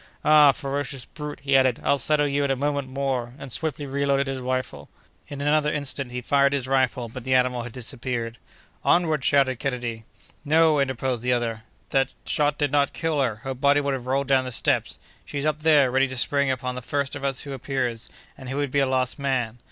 "Ah! ferocious brute!" he added, "I'll settle you in a moment more!" and swiftly reloaded his rifle. In another instant he fired, but the animal had disappeared. "Onward!" shouted Kennedy. "No!" interposed the other, "that shot did not kill her; her body would have rolled down the steps; she's up there, ready to spring upon the first of us who appears, and he would be a lost man!"